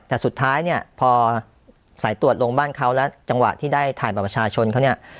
แต่สุดท้ายเนี่ยพอสายตรวจลงบ้านเขาแล้วจังหวะที่ได้ถ่ายบัตรประชาชนเขาเนี่ย